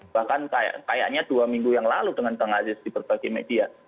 bahkan kayaknya dua minggu yang lalu dengan kang aziz di berbagai media